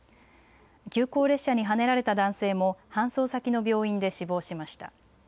急行列車にはねられた男性も搬送先の病院で死亡しました。